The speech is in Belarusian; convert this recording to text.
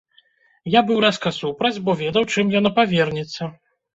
Я быў рэзка супраць, бо ведаў, чым яно павернецца.